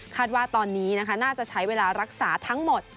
ว่าตอนนี้น่าจะใช้เวลารักษาทั้งหมด